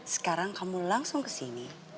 sekarang kamu langsung kesini